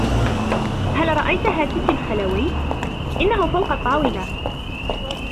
" هل رأيت هاتفي الخليوي ؟"" إنه فوق الطاولة. "